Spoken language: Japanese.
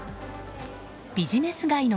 ビジネス街の